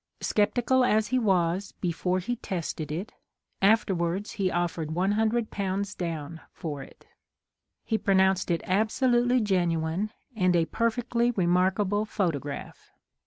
Sceptical as he was before he tested it, afterwards he offered £100 down for it. He pronounced it absolutely genuine and a perfectly remarkable photograph.